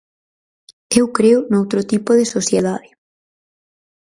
Eu creo noutro tipo de sociedade.